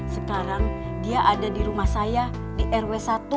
sekarang dia ada di rumah saya di rw satu